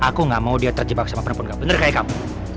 aku gak mau dia terjebak sama pun gak bener kayak kamu